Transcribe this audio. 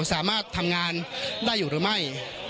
สามารถทำงานได้อยู่หรือไม่